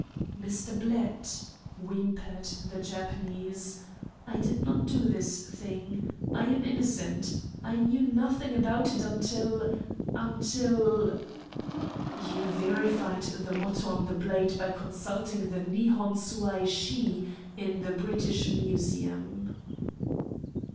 "Mr. Blett," whimpered the Japanese, "I did not do this thing. I am innocent. I knew nothing about it until until " "You verified the motto on the blade by consulting the 'Nihon Suai Shi' in the British Museum."